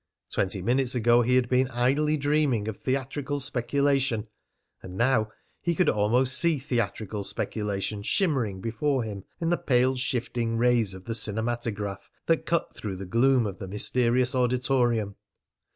Twenty minutes ago he had been idly dreaming of theatrical speculation, and now he could almost see theatrical speculation shimmering before him in the pale shifting rays of the cinematograph that cut through the gloom of the mysterious auditorium.